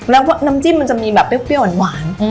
แล้วน้ำจิ้มมันจะมีแบบเปรี้ยวหวาน